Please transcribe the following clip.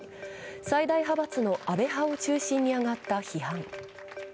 最大派閥の安倍派を中心に上がった批判。